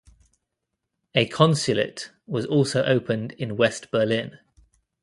A consulate was also opened in West Berlin.